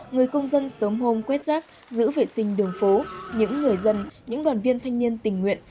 người công dân sớm hôm quét rác giữ vệ sinh đường phố những người dân những đoàn viên thanh niên tình nguyện